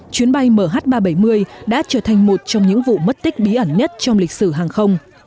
chuyến bay mh ba trăm bảy mươi đã trở thành một trong những vụ mất tích bí ẩn nhất trong lịch sử hàng không